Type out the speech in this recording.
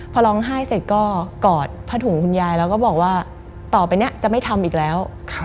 พอร้องไห้เสร็จก็กอดผ้าถุงคุณยายแล้วก็บอกว่าต่อไปเนี่ยจะไม่ทำอีกแล้ว